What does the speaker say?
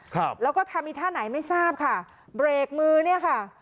ครับแล้วก็ทำอีกท่าไหนไม่ทราบค่ะเบรกมือเนี่ยค่ะ